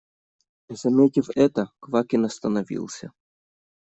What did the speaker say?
Заметив это, Квакин остановился.